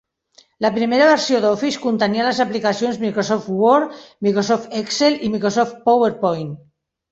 La primera versió d'Office contenia les aplicacions Microsoft Word, Microsoft Excel i Microsoft PowerPoint.